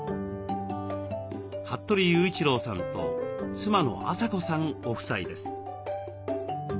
服部雄一郎さんと妻の麻子さんご夫妻です。